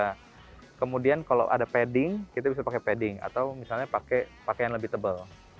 nah kemudian kalau ada padding kita bisa pakai padding atau misalnya pakaian lebih tebal